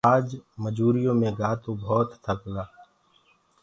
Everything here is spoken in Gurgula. اج مجوُريو مي گآ تو ڀوت ٿڪ گآ۔